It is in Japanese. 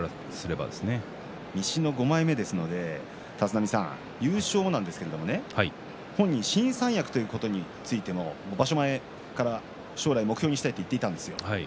西の５枚目ですので優勝なんですけど本人、新三役ということについても場所前から将来、目標にしたいと言っていたんですよ。